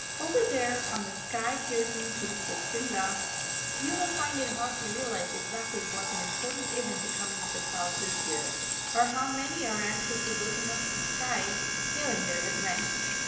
Over there, on the sky piercing peaks of Simla, you will find it hard to realise exactly what an important event the coming of the clouds is here, or how many are anxiously looking up to the sky, hailing their advent.